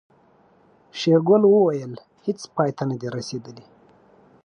شېرګل وويل هيڅ پای ته نه دي رسېدلي.